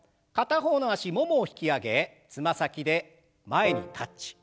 片方の脚ももを引き上げつま先で前にタッチ。